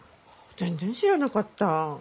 全然知らなかった。